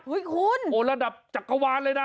คุณโอ้ระดับจักรวาลเลยนะ